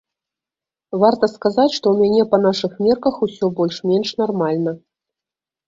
Варта сказаць, што ў мяне па нашых мерках усё больш-менш нармальна.